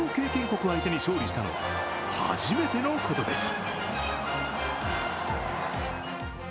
国相手に勝利したのは初めてのことです。